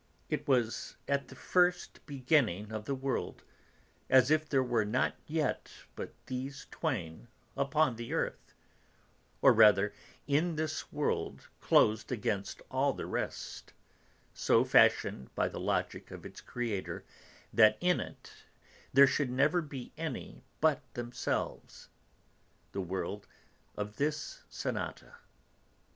It was as at the first beginning of the world, as if there were not yet but these twain upon the earth, or rather in this world closed against all the rest, so fashioned by the logic of its creator that in it there should never be any but themselves; the world of this sonata.